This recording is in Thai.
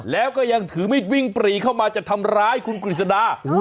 แล้วก็ยังถือมีดวิ่งปรีเข้ามาจะทำร้ายคุณกฤษดา